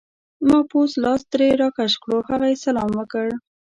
ما پوست لاس ترې راکش کړو، هغه یې سلام وکړ.